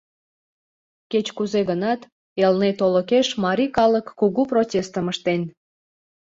Кеч-кузе гынат, Элнет олыкеш марий калык кугу протестым ыштен.